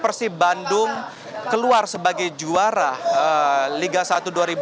persib bandung keluar sebagai juara liga satu dua ribu dua puluh tiga dua ribu dua puluh empat